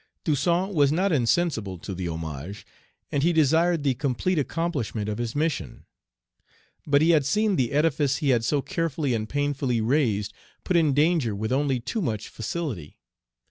Toussaint was not insensible to the homage, and he desired the complete accomplishment of his mission. But he had seen the edifice he had so carefully and painfully raised put in danger with only too much facility.